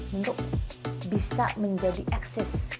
untuk bisa menjadi eksis